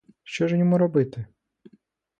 Що ж йому робити?